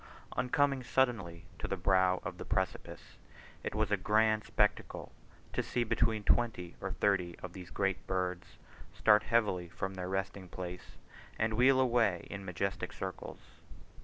On coming suddenly to the brow of the precipice, it was a grand spectacle to see between twenty and thirty of these great birds start heavily from their resting place, and wheel away in majestic circles.